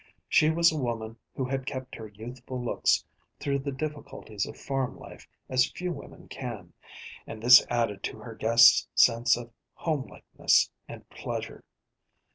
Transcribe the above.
She was a woman who had kept her youthful looks through the difficulties of farm life as few women can, and this added to her guest's sense of homelikeness and pleasure.